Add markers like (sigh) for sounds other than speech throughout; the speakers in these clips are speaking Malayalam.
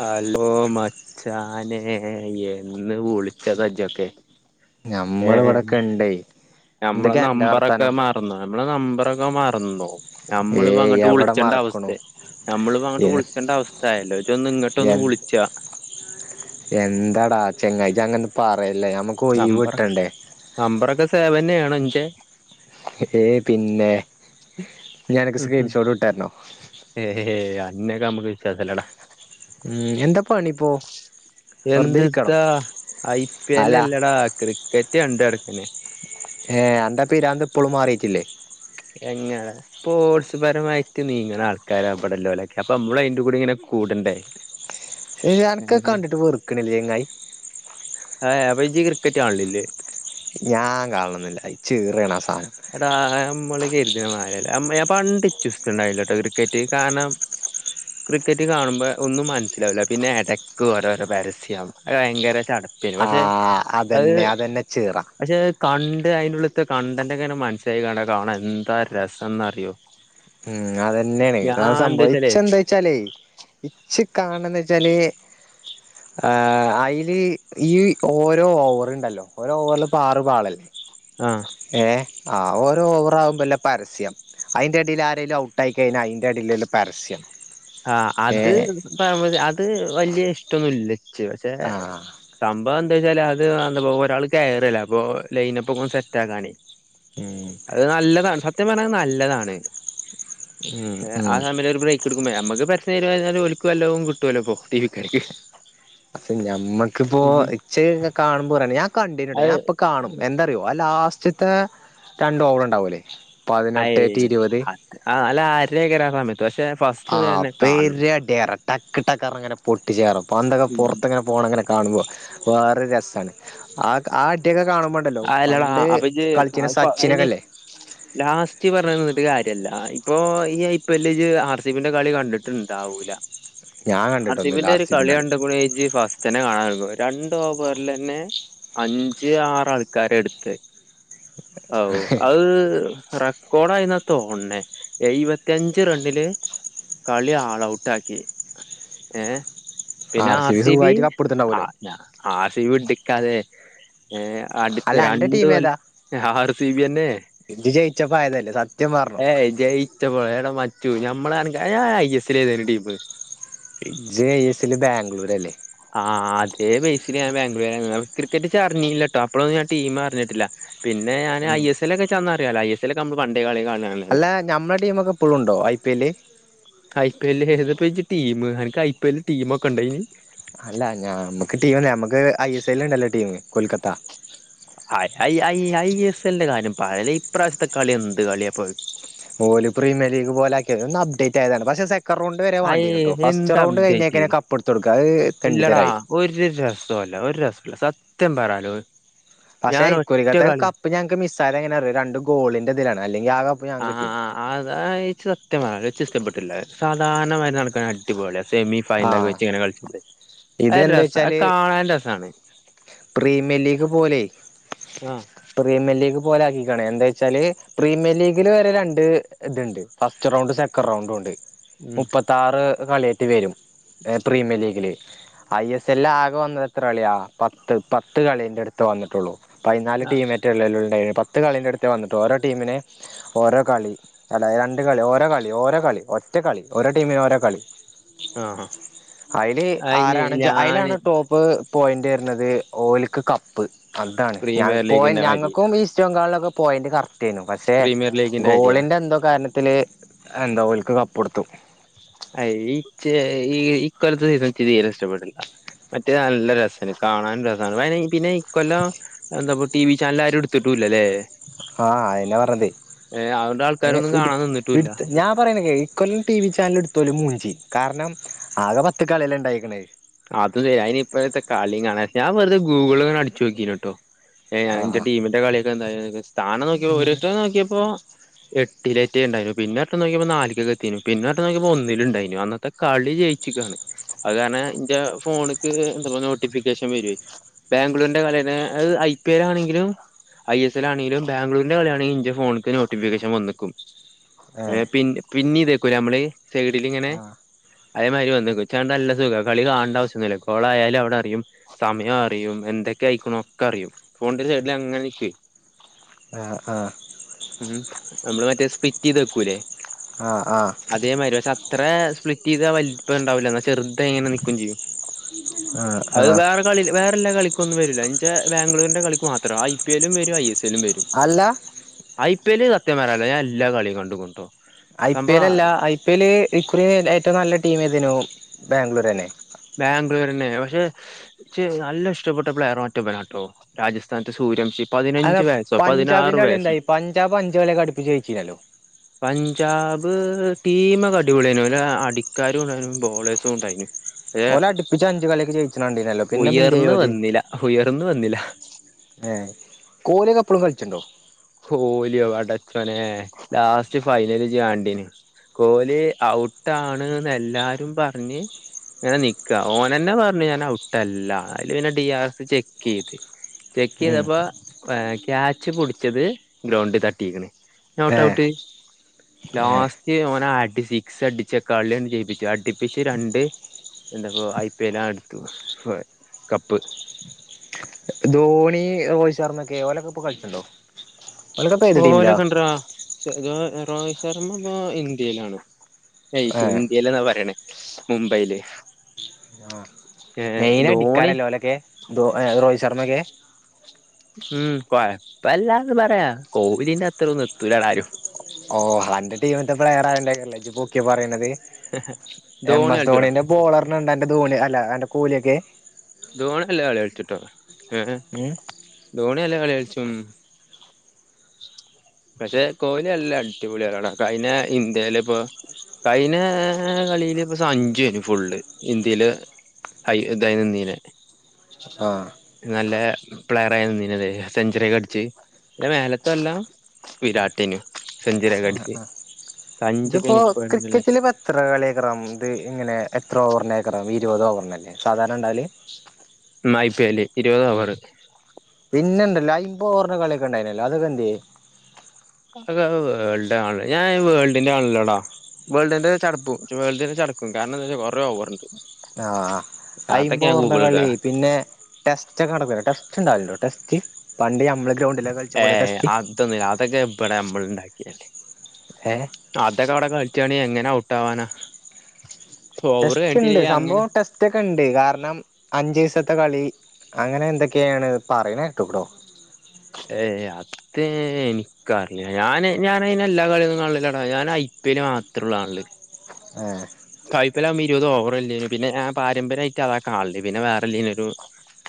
ഹലോ മച്ചാനേ എന്ന് വിളിച്ചതാജ്ജൊക്കെ ഞമ്മള് ഇവിടൊക്കെണ്ടേ നമ്മളെ നമ്പറൊക്കെ മറന്നോ നമ്മളെ നമ്പറൊക്കെ മറന്നോ ഞമ്മള്പ്പ ഏയ് അങ്ങോട്ട് എവിടെ വിളിച്ചണ്ട മറക്കണു അവസ്ഥയായി നമ്മള് പ്പ എ അങ്ങട്ട് വിളിച്ചേണ്ട അവസ്ഥയല്ലോ ജൊന്ന് ഇങ്ങോട്ടൊന്ന് എൻ വിളിച്ചാ എന്താടാ ചങ്ങായ് ജ്ജ് അങ്ങനൊന്നും പറയ നമ്പറ് നമ്പറൊക്കെ സേവെന്നേണ് പക്ഷേ ഏയ് പിന്നെ ഞാനൊക്കെ സ്ക്രീൻഷോട്ട് വിട്ട്തരണോ ഇന്നെക്കെ ഞമ്മക്ക് വിശ്വാസല്ലേടാ ഉം എന്താപ്പണിപ്പോ എന്ത്ത്താ ഐ പി അല്ല എല്ല് ലല്ലെടാ ക്രിക്കറ്റ് കണ്ട് നടക്കണെ ഏ അന്റെ പിരാന്ത് ഇപ്പളും മാറിട്ടില്ലേ എങ്ങനെ സ്പോർട്സ് പരമായിട്ട് നീങ്ങണ ആൾക്കാരാ ഇവ്ടെല്ലോലൊക്കെ അപ്പൊ നമ്മള് അയ്ന്റെ കൂടെ ഇങ്ങനെ കൂടി ണ്ടേ അൻക്കെ കണ്ടിട്ട് വെർക്കണില്ലേങ്ങായി ആ അപ്പ ജ്ജ് ക്രിക്കറ്റ് കാണലില്ലേ ഞാൻ കാണലൊന്നില്യ ഇച്ചിറേണാസ് (unintelligible) മ്മള് കര്തണ മാതിരല്ല്യ നമ്മെ പണ്ട് ഇച്ചുസ്ണ്ടായില്ലോട്ടോ ക്രിക്കറ്റ് കാരണം ക്രിക്കറ്റ് കാണുമ്പോ ഒന്നും മനസ്സിലാവൂല്ല പിന്നെ എടക്ക് ഓരോരോ പരസ്യം അതുഭയങ്കര ചട ആ ശെരിപക്ഷെ അത് അതന്നെ അതന്നെ ഇച്ചീറ പക്ഷെ കണ്ട് അതിനുള്ളിലെത്തെകണ്ടന്റൊക്കെ മനസ്സിലായി കണ്ടാ കാണാൻ എന്താ രസംന്ന്റിയോ ഉം അതന്നെയാണ് എന്താച്ചാലേ സംഭവിച്ചച്ചെന്താച്ചാലേ ഇച്ച് കാണണെന്നുവെച്ചാല് ആ അയ്ല് ഈ ഓരോ ഓവറുണ്ടല്ലോ ഓരോവറിൽ പ്പ ആറ് ബാളല്ലേ ആഹ് ഏ ആ ഒരു ഓവറാകുമ്പോള്ള പരസ്യം അതിന്റെഎടയിൽ ആ ന്തേലും ഔട്ടായികഴിഞ്ഞാ അയിന്റെടീലുള്ള പരസ്യം ആഹ അത് ഏഹ് അത് വലിയ ഇഷ്ടൊന്നില്ല ച്ച് പക്ഷെ ആഹ് സംഭവം എന്താവച്ചാല് അത് എന്താപ്പോ ഒരാള് കേറകല്ലേ അപ്പൊ ലൈനപ്പൊക്കെ ഒന്ന് സെറ്റാകാനേ ഉം അത് നല്ലതാണ് സത്യം പറഞ്ഞാ അത് നല്ലതാണ് ഉം ഹ ആ ഉം സമയ ബ്രയിക്ക് എടു നമ്മുക്ക് പരസ്യം തരുമ്പോ ഒലിക്കുവല്ലോ കിട്ടുവല്ലോ പോ ഫിഫ്റ്റി ഫിഫ്റ്റി അ ഞമ്മക്കിപ്പോ ഇച്ച കാണുമ്പോ പറയ ഞാൻ കണ്ടീട്ട അത് ഞാൻ ഇപ്പൊ കാണും എന്തറിയോ ആ ലാസ്റ്റ് ഉച്ചത്തെ രണ്ട് ഓവർ ഉണ്ടാവല്ലേ അ ആ അല്ല ആരലക്കരാ സമയത്ത് പക്ഷെ ഫസ്റ്റ് ആ മുതലെന്നെ കാണണം പേര് അടിയാറ ടക്ക് ടക്ക ഇങ്ങനെ പൊട്ടി ചേറും അപ്പൊ പണ്ടക്കെ ഉം പുറത്ത്ങ്ങനെ പോണ അങ്ങനെ കാണുമ്പോ വേറെ രസാണ് ആ ആ അടി ആല്ലാട അപ്പൊന് ഇപ്പം ആയിന് സച്ചിനൊക്കെല്ലേ ലാസ്റ്റ് പറഞ്ഞന്നിട്ട് കാര്യല്ല ഇപ്പൊ ഇപ്പല്ല ആർ സി പിന്റെ കളി കണ്ടിട്ടുണ്ടാവൂല ഞാൻ കണ്ടിട്ടൊന്നുല്ല അസിബിന്റെ ആർ ഒരു സി ബിന്റെ കളി കളിയണ്ട ഗണജി ഫാസ് തെ കാണാൻ രണ്ട് ഓവറിൽ തന്നെ അഞ്ച് ആറള കരെടുത്ത് അത് റെക്കോഡ ആയിന്ന തോണേ എഴുപത്തിയഞ്ച് റണ്ണില് കളി ആൾഔട്ട് ആക്കി ഏ പിന്നെ ആർ സി ബി ആ ആർ സി ബി ടിക്കാതെ ഏ അല്ല അടുത്ത അന്റെ രണ്ട് ടീം കൊല്ല ഏതാ ആർ സിബി എന്നെ ഇജ്ജ് ജയിച്ചപ്പോ ആയതല്ലേ സത്യം പറഞ്ഞോ ഏ ജയിച്ച പറ എട മാ മ്മ ഞാമ്മള് ആണെങ്കിൽ ഐ എസ് എ ഏതേലും ടീമ് ഇജ്ജ് ഐ എസ് എല്ലിൽ ബാംഗ്ലൂരല്ലേ ആ അതേ ബൈസിനാൻ ബാംഗ്ലൂര് ക്രിക്കറ്റ് അറിഞ്ഞില്ലട്ടോ അപ്പോഴൊന്നും ഞാൻ ടീം അറിഞ്ഞിട്ടില്ല പിന്നെ ഞാൻ ഐസ് എൽക്കെ ചെന്ന്റിയല്ല ഐ എസ് എക്കെ നമ്മ പണ്ട കളി അല്ല (unintelligible) ഞമ്മളെ ടീമൊക്കെ ഇപ്പഴും ഉണ്ടോ I P L I P L (unintelligible) team എനിക്ക് ഐ പി എൽ ടീമ ഒക്കെ ഉണ്ടന് അല്ല ഞാ നമ്മുക്ക് ടീം നമക്ക് ഐഎസ് എല്ല ഉണ്ടല്ലോ team Kolkata I I S എല്ലിന്റെ കാര്യം പറയല്ലേ ഇപ്രാവശ്യത്തെ കളി എന്ത് കളിയാപ്പോയി ഓല് പ്രീമിയർ ലീഗ് പോലെ ആക്കിയ ഒന്ന് അപ്ഡേറ്റ് ആയതാണ് പക്ഷെ റൗണ്ട് വരെ അയ് വാണ്ടീന്നട്ടോ എന്ത് ഫസ്റ്റ് റൗണ്ട് അപ്ഡേറ്റ് കഴിഞ്ഞക്ക കപ്പ എടുത്ത് കൊടുക്കുക അത് തെണ്ടിതരായി അല്ല ഒരു രസല്ല സത്യം പറാലോ പക്ഷെ ഇക്കൊലത്തെ കപ്പ് ഞങ്ങൾക്ക് മിസ് ആയത് എങ്ങനെ അറിയോ രണ്ട് ഗോളിന്റെ ഇതിലാണ് അല്ലെങ്കിൽ കപ്പ് ആ ഞങ്ങക്ക് കിട്ടീനു അതാ ച്ച സത്യംമാ ഇഷ്ടപ്പെട്ടില്ല സാധാരണമാരി നടക്കൻ അടിപൊളി സെമി ഫൈനലൊക്കെ ആഹ് വെച്ച് ഇങ്ങനെ കളിച്ചിട്ടണ്ട് ഇത് അ എന്താ രസ വെച്ചാല് കാണാൻ രസമാണ് പ്രീമിയർ ലീഗ് പോലെ ആഹ് പ്രീമിയർ ലീഗ് പോലെ ആക്ക എന്താ വെച്ചാല് പ്രീമിയർ ലീഗില് വരെ രണ്ട് ഇത്ണ്ട് ഫസ്റ്റ് റൗണ്ട് സെക്കൻറ് റൗണ്ടും ഉണ്ട് ഉം മുപ്പത്താറ് കളിയറ്റ് വരും പ്രീമിയർ ലീഗില് ഐ എസ് എല്ല ആകെ വന്നത് എത്ര കളിയാ പത്ത് പത്ത് കളിൻറ അടുത്ത് വന്നിട്ടുള്ളൂ പതിനാല് ടീം മറ്റ് ഉള്ളല്ല ഇണ്ടായേ പത്ത് കളിൻ്റ അടുത്ത് വന്നിട്ട് ഓരോ ടീമിനെ ഓരോ കളി അല്ല രണ്ട് കളി ഓരോ കളി ഓരോ കളി ഒറ്റ കളി ഓരോ ടീമിനും ഓരോ കളി ആഹ് അതില് അയിന് ആരാണ് ഞാന് ആയിലാണ് ടോപ്പ് പോയിന്റ് വരുന്നത് ഓലിക്ക് കപ്പ് അതാണ് ഞ പ്രീമിയർ ലീഗിന്റെ പോയിൻറ് മാതിരി ഞങ്ങൾക്കും ഈസ്റ്റ് ബംഗാളിലൊ പോയിന്റ് കറക്റ്റ് ചെയ്യുനു പക്ഷെ പ്രീമിയർ ലീഗിന്റെ മാതിരിയാ ഗോളിന്റെ എന്തോ കാരണ ത്തിൽ എന്താ ഓലക്ക് കപ്പ് കൊടുത്തു ഈ ഈ ഇക്കാലത്ത് ഇത് നിക്ക് തീരെ ഇഷ്ടപെട്ടില്ല മറ്റേ നല്ല രസാണ് കാണാനും രസാണ് പിന്നെ ഇക്കൊല്ലം എന്താ ടി വി ചാനൽ ആരും എടുത്തിട്ടൂല്ല ല്ലല്ലേ ആ അയിന്നെ പറഞ്ഞത് അതുകൊണ്ട് ആൾക്കാരൊന്നും കാണാൻ നിന്നിട്ടുംല്ല അടുത്ത് ഞാൻ പറയണ കേക്ക് ഇക്കൊല്ലം ടി വി ചാനൽ എടുത്തലും മൂ കാരണം ആകെ പത്ത് കളിയല്ലേ ഇണ്ടായിക്കണേ അതും ശരി അതിനി ഇപ്പഴത്തെ കളി കാണാൻ ഞാൻ വെറുതെ ഗൂഗിൾങ്ങനെ അടിച്ചുനോക്കിന് കേട്ടോ ഏ ഞാനെ എന്റെ ആഹ് ടീമിന്റെ കളിയൊക്കെ എന്ത സ്ഥാനം നോക്കിയപ്പോ ഒരിസം നോക്കിയപ്പോ എട്ടിലേറ്റ ഉണ്ടായിു പിന്നട്ട നോക്കിയ്പോ നാലല്ക്കെ എത്തിന് പിന്നട്ട നോക്കിയ്പ ഒന്നില ഉണ്ടായി അന്നത്തെ കളി ജയിച്ച ചിക്കാണ് അതാണ്െ ഫോണക്ക് എന്താ നോട്ടിഫിക്കേഷൻ വരു ബാംഗ്ലൂരിന്റെ കല അത് ഐ പി എൽ ആണെങ്കിലും ഐ എസ് എൽ ആണെങ്കിലും ബാംഗ്ലൂരിന്റെ കളിാണെങ്കിലും ഇന്റെ ഫോണക്ക് നോട്ടിഫിക്കേഷൻ വന്നക്കും ഏഹ് ഏർ പി പിന്നെതക്കൂല നമ്മള് സൈഡിൽിങ്ങനെ ആഹ് അതേ മരി വന്നു കൊച്ചാണ്ടല്ല സുഖം കളി കാണണ്ടവശ്യൊന്നുമില്ല ഗോളായയാല അവിടെ അറിയും സമയം അറിയും എന്തൊക്കെ അയിക്കണ ഒക്കെ അറിയും ല്ല അങ്ങനക്ക് ആഹ ആഹ ഉം നമ്മള് മറ്റേ സ്പിറ്റ് ചെയ്ത് വെക്കൂല്ലേ ആഹ് ആഹ് അതേമാതിരി പക്ഷെ അത്ര സ്പ്ലിറ്റ് ചെയ്ത വലിപ്പ ഉണ്ടാവില്ല എന്നാ ചെറുത എങ്ങനെ ന ആഹ് അത് ആഹ് വേറെ കളി വേ (unintelligible) കളിക്കൊന്നുംരില്ലാ ബാംഗലൂരിന്റെ കളക്ക് മാത്രം ഐ പി എല്ലും വരും ഐ എസ് വരും അല്ല ഐ പി എല്ല സത്യമാരല്ല ഞാൻ എല്ലാ കളിയും കണ്ടട്ടോ ഐ പി എൽ അല്ല ഐ പി എല് ഇക്കുറി ഏറ്റവും നല്ല ടീം ഏതരുന്നു ബാംഗ്ലൂര് തന്നെ ബാംഗ്ലൂർന്നെ പക്ഷെ നല്ല ഇഷ്ടപ്പെട്ട പ്ലെയർ മറ്റൊപ്പനാട്ടോ രാജസ്ഥാനത്തെ സൂര്യംശി അത പഞ്ചാബിന്റെ കളി എന്തായി പഞ്ചാ് പഞ്ചാബളിയെ കടുപ്പിച്ച കഴിച്ചിരല്ലോ പഞ്ചാബ് ടീമൊക്കെ അടിപൊളിയന അല്ല അടിക്കാരും ഉണ്ടായിും ബോളേഴ്സും ഉണ്ടായിനും അേ ഓല് അടുപ്പിച്ച് അഞ്ച് കളിയൊക്കെ ജയിച്ചണ കണ്ടീനല്ലോ പിന്നെ എന്തിയായി ഉയർന്ന വന്നില്ല ഉയർന്ന വന്നില്ല ഏ കോല കപ്പളും കളിച്ചിട്ടണ്ടോ ഹോലിയോടച്ചോന ലാസ്റ്റ് ഫൈനല് ചെയ്യാണ്ടീന് കോഹലി ഔട്ട്ാണ്ന്ന് എല്ലാരും പറഞ്ഞ് ഇങ്ങനെ നിക്കാ ഓനെന്നെ പറഞ്ഞു ഞാൻ ഔട്ടല്ല അതില് പിന്നെ ഡി ആർ ചെക്ക് ചെയ്ത് ചെക്ക് ഉം ചെയ്തപ്പോ ക്യാച്ച് പൊടിച്ചത് ഗ്രൗണ്ടിൽ തട്ടിക്കണ ഏഹ് നോട്ട്ഔട്ട് ഏഹ് ലോസ്റ്റ് ഓന സിക്സ് അടിച്ച കളിയാണ് ജ്യിപ്പിച്ചു അടിപ്പിിച്ചച്ച് രണ്ട് എന്തൊക്ക ഐ പി എല്ലാ എടുത്തു കപ്പ് ധോണി ഓഴിച്ചർന്ന കേവലൊക്കെ കഴിച്ചണ്ടോപ്പ ഏത് ടീമിലാ ഓലൊക്കെണ്ടറാ രോഹിത് ശർമ്മ ഇപ്പൊ ഇന്ത്യയിലാണ് ഏഹ് ഇന്ത്യയിലന്നാ പറയണേ മുംബൈല ആ മെയിനായി ഡിക്കാര ധോണി ലോലൊക്കെ രറോഹിത് ശർമ്മ ഒക്കെ ഉം കൊഴപ്പല്ലാന്ന് പറയാ കോലിന്റെ അത്രൊന്ന് എത്തൂലാാണ്ാരും ഓഹ് എന്റെ ടീമിത്തെ പ്രയറ ആന്റെറെ ലജി പോക്കെ പറയുന്നത് എം ധോണി എസ് കളിച്ചൂടാ ധോണിന്റെ ബോളറിനുണ്ട് എറെ ധോണി അല്ല എന്റെ കൂലിയൊക്കെ ധോണി അല്ല കള കഴിച്ചിട്ടോ ഏ ധോണില്ല കള കഴിച്ചും പക്ഷെ കോലി അല്ല അടിപൊളികളാണ് അയിെ ഇന്ത്യയില ഇപ്പോൊ കഴന കളിയില് ഇപ്പ അഞ്ചുന് ഫുള്ള് ഇന്ത്യയില് അയ ദൈനംന്ദന ആഹ് നല്ല പ്ലെയർ ആയിന്നതെ സെഞ്ചുറിെ കടിച്ചച്ച് മേല ഇതെല്ലാം വിരാട്ടിനു സെഞ്ചരി കടിച്ച് ഇതിപ്പോൊ ക്രിക്കറ്റില് ഇ എത്ര കളിയക്റാം ഇത് ഇങ്ങനെ എത്ര ഓവറിനേക്കറ ഇരുപത് ഓവറിന്ല്ലേ സാധാരണ ഉണ്ടാൽ ഐ പി എല് ഇരുപത് ഓവറ് പിന്നെണ്ടല്ലോ അയിമ്പ ഓഞ്ഞ കളിയൊക്കെണ്ടായിനല്ലോ അതൊക്കെ എന്േ അത വേൾഡ് ആണല്ല ഞാൻ വേൾഡിന്റെറെ കാണല്ലോടാ വേൾഡിന്റെ ചടക്കും വേൾഡിന്റെ ചടക്കും കാരണംന്താ വച്ചാ കൊറെേ ഓറണ്ട് ആ അയിമ്പോ ർ ഗൂഗിളിലിടാ കളി പിന്നെ ടെസ്റ്റ ഒക്കെ നടക്കല്ല ടെസ്റ്റ് ണ്ടാവോ ടെസ്റ്റ് പണ്ട നമ്മള് ഗ്രൗണ്ട് ഏ അതൊന്നില്ല അതൊക്കെ ഇടെ അമ്മള ഉണ്ടാക്കിയല്ലേ ഏഹ് അതൊക്കെ അവിടെ കള കുറ്റണി എങ്ങനെ ഔട്ട്വാാനാ ടെസ്റ്റ് ഉണ്ട് സംഭവം ടെസ്റ്റ് ഒക്കെ ഉണ്ട് കാരണം അഞ്ചു ദിവസത്തെ കളി അങ്ങനെ എന്തൊക്കെയാണ് പറയണ കേട്ടോക്കടോ (unintelligible) ഏ അത് എനിക്കറില്ല ഞൻ ഞാനയി എല്ലാ കളിയന്നും കട ഞൻ പിന് മാത്രമള്ള ആള് ആ കൈപ്പകുമ്പോ ഇരുപത് ഓവർല്ലേും പിന്നെ ഞാ പമ്പയമായിട്ട് അത കാണില്ലി പിന്നെ വേറെല്ലേനുംരു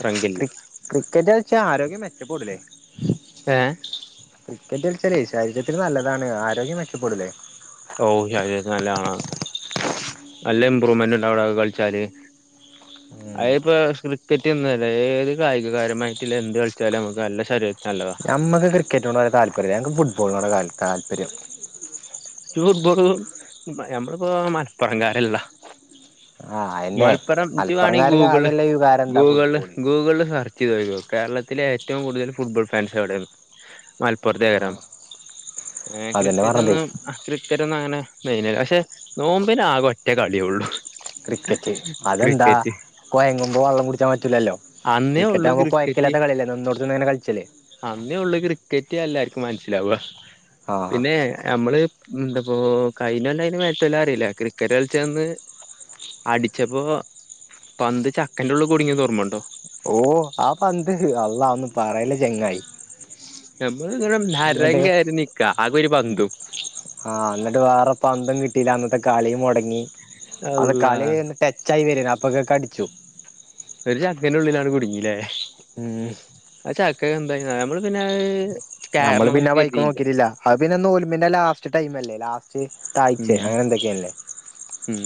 റംഗില്ല ക്രി ക്രിക്കറ്റ് വെച്ചാൽ ആരോഗ്യം മെച്ചപ്പെൂടല്ലേ എഏ കെറ്റൽച്ചരി ശരീരത്തിന് നല്ലതാണ് ആരോഗ്യം മെച്ചപ്പെടൂലേ നല്ലതാണ് നല്ല ഇമ്പ്രൂവ്മെന്റ് ഉണ്ട അവിടെ കളിച്ചാല് ഉ അപ്പ ക്രിക്കറ്റ്ന്നല്ല ഏത് കായികരമായിട്ടില്ല എന്ത് കളിച്ചാലും നമ്മുക്ക് നല്ല ശര ഞമ്മുക്ക് ക്രിക്കറ്റിനോട് വരെ താല്പര്യംില്ല ഞങ്ങക്ക് ഫുട്ബോളിനോട് താല്പര്യം ഫുട്ബോൾ മ്മളിപ്പോ മലപ്പുറകാരല്ലാ ആഹ് അയെന്നെ മലപ്പുറംു വവാണെങ്കിൽ മലപ്പുറംകാർക്ക് ഗൂഗിള് ആകെല്ല വികാരം എന്താ ഗൂഗിള് ഫുട്ബോള് ഗൂഗിള് സെർച്ച് ചെയ്ത്ോോ കേരളത്തിലെ ഏറ്റവും കൂടുതൽ ഫുട്ബോൾ ഫാൻസ് അവിടെരുന്നു മലപ്പുറത്തെഗരം ആഹ് ഏ അതന്നെ ക്രിക്കറ്റ് പറഞ്ഞതേ ഒന്ന് ക്രിക്കറ്റ് ഒന്നും അങ്ങനെ നെയയിന പക്ഷെ നോമ്പിന ആകും ഒറ്റേ കളിയള്ളു ക്രരിക്കെറ്റ്ിൽ അതന്ത കോഴങ്ങുമ്പോ വെള്ളം കുടിക്കാൻ പറ്റലല്ലോ അന്നേ ക്രിക്കറ്റ് ഉള്ളു ആകുമ്പോ ക്രിക്കറ്റ് കോഴക്കല്ലാത്ത കളല്ല നിന്നോടത്തന്ന്ങ്ങനെ കളിച്ചല്ലേ അന്നേ ഉള്ള ക്രിക്കറ്റ് എല്ലർക്കും മനസ്സിലാവ ആഹ് പിന്നെ നമ്മള് എന്തപ്പോൊ കഴനല്ല അതിന് മത്തെല്ലും അറിയില്ല ക്രിക്കറ്റ് കളിച്ചന്ന് അടിച്ചപ്പോ പന്ത് ചക്കന്റെ ഉള്ള കുടുങ്ങിയ തഓർമ്മുണ്ടോ ഓ ആ പന്ത് അള്ള ഒന്ന് പറയല ചെങ്ങായി നമ്മള് ഇന്നട്ട് നാരങ്ക ആ നിക്ക ആഗ ഒരു പതുു ആഹ എന്നിട്ട് വേറെ പന്തം കിട്ടില്ല അന്നത്തെ കളിയും മുടങ്ങി അത് അള്ളാ കളി ഒന്ന് ടച്ച ആായി വരന അപ്പൊൊക്കെ കടിച്ചു ഒരു ചക്കറെ ഉള്ളിലാണ് കുടുങ്ങില്ലേ ഉം ഒക്കെ എന്താ നമ്മള് പിന്നെ നമ്മള് പിന്നെ കയറണംന്നൊക്കെ ബൈക്ക് കരുതിയില്ലേ നോക്കിട്ടില്ല അ പിന്നെ നോല്ിന്റെ ലാസ്റ്റ് ടൈം അല്ലേ ലാസ്റ്റ് ഉം തഴ് അങ്ങനെ ക്കല്ലേ ഉം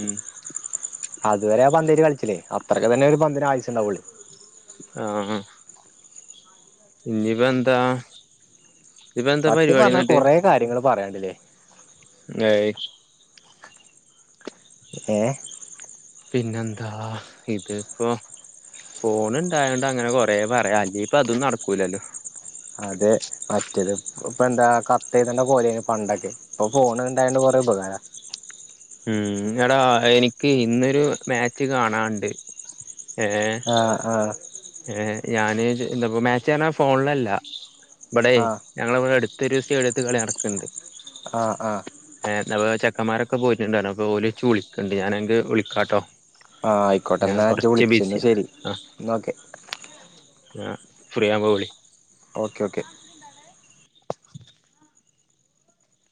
അതുവരെ ആ പന്തേ് കളിച്ചില്ലേ അത്രക്കെ തന്നെ ഒരു പന്തിന് ആവശ്യുണ്ടാവുള്ളി ആഹ ഇനിബൻന്ത സത്യം പറഞ്ഞാ കൊറെേ കാര്യങ്ങള് പറയണ്ടില്ലേ (unintelligible) എഏ പിന്നെന്താ ഇതിപ്പോൾ ഫോൺ ഇണ്ടായണ്ട് അങ്ങനെ കൊറേ പറയാ അല്ല ഇപ്പ അതൊന്നും നടക്കൂലല്ലോ അതെ മറ്റേത് ഇപ്പ എന്താ കത്ത് ചെയ്തണ്ട പോലെന് പണ്ടൊക്കെ ഇപ്പൊ ഫോൺ ഇണ്ട പോല ഉപകാര (unintelligible) ഉം എടാ എനിക്ക് ഇന്നൊരു മാച്ച് കാണാണ്ട് ആഹ ആഹ ഏ ഞാന് ഞ് ന്എന്തപ്പോ മാച്ച്ഞ്ഞ ഫോണിലല്ല ഇവിടെ ആ ഞങ്ങള ഇവിടെ അടു ത്ത് ഒരു സ്റ്റേഡിയത്ത് കളി നടക്കുന്നുണ്ട്. ആ ആ ചെക്കമാരൊക്ക പോയിട്ടുണ്ട്. അപ്പോ ഓലു ച്ച് വിളിക്കണ്ട് ഞാനെങ്ക വിളിക്കാട്ടോ. ആ ആയിക്കോട്ടെ? ഞാൻ എന്നാ ജ് കൊറച്ച് വിളിച്ചു ബിസിയാ ശെരി എന്നോക്കെ. ഫ്രിയാവുമ്പോ വിളി. Okay okay.